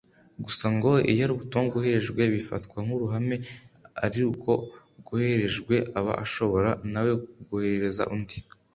Gusa ngo iyo ari ubutumwa bwoherejwe bifatwa nk’uruhame ari uko ubwohererejwe aba ashobora nawe kubwoherereza undi